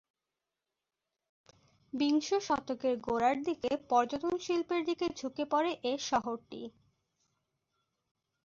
বিংশ শতকের গোড়ার দিকে পর্যটন শিল্পের দিকে ঝুঁকে পড়ে এ শহরটি।